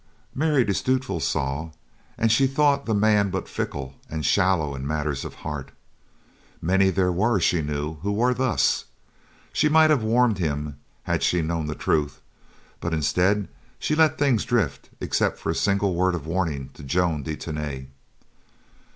Mary de Stutevill saw and she thought the man but fickle and shallow in matters of the heart—many there were, she knew, who were thus. She might have warned him had she known the truth, but instead, she let things drift except for a single word of warning to Joan de Tany.